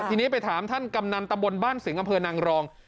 ทีนี้ไปถามท่านกำนันตะบนบ้านสิงห์อำเภอนางรอง